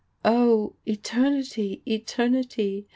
"O eternity, eternity!